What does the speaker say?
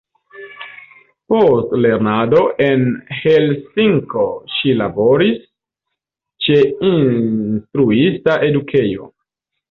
Post lernado en Helsinko ŝi laboris ĉe instruista edukejo.